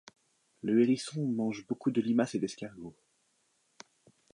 Le hérisson mange beaucoup de limaces et d'escargots.